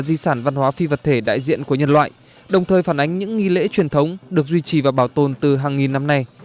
di sản văn hóa phi vật thể đại diện của nhân loại đồng thời phản ánh những nghi lễ truyền thống được duy trì và bảo tồn từ hàng nghìn năm nay